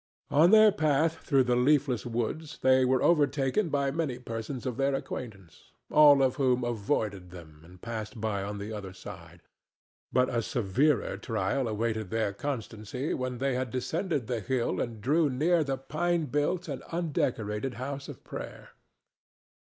On their path through the leafless woods they were overtaken by many persons of their acquaintance, all of whom avoided them and passed by on the other side; but a severer trial awaited their constancy when they had descended the hill and drew near the pine built and undecorated house of prayer.